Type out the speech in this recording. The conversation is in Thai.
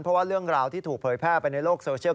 เพราะว่าเรื่องราวที่ถูกเผยแพร่ไปในโลกโซเชียล